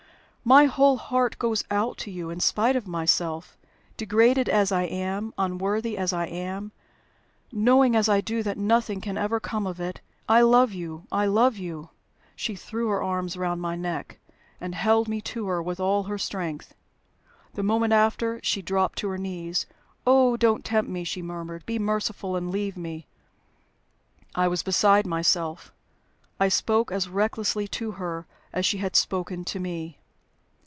"My whole heart goes out to you in spite of myself. Degraded as I am, unworthy as I am knowing as I do that nothing can ever come of it I love you! I love you!" She threw her arms round my neck, and held me to her with all her strength. The moment after, she dropped on her knees. "Oh, don't tempt me!" she murmured. "Be merciful and leave me." I was beside myself. I spoke as recklessly to her as she had spoken to me.